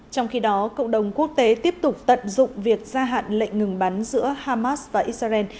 trong khi đó cộng đồng quốc tế tiếp tục tận dụng việc gia hạn lệnh ngừng bắn giữa hamas và israel